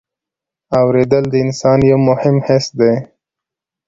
اورېدل د انسان یو مهم حس دی.